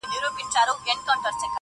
• د اورنګ شراب په ورکي -